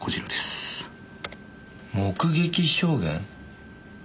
「目撃証言」？